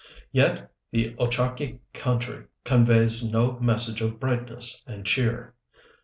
Yet the Ochakee country conveys no message of brightness and cheer.